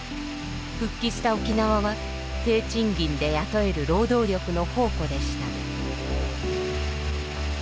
復帰した沖縄は低賃金で雇える労働力の宝庫でした。